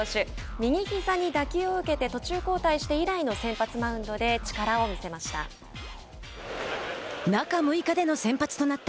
右ひざに打球を受けて途中交代して以来の先発マウンドで力を見せました。